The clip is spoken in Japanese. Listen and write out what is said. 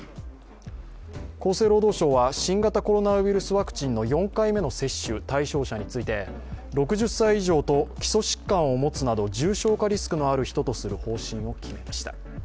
厚生労働省は新型コロナウイルスワクチンの４回目の接種対象者について６０歳以上と基礎疾患を持つなど重症化リスクのある人とする方針を決めました。